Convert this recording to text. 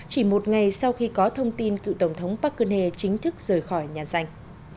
chỉ một ngày sau khi có thông tin cựu tổng thống park geun hye chính thức rời khỏi nhà danh